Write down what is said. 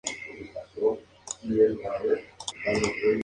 En esta temporada se produjo el debut en Primera División de Hugo Sánchez.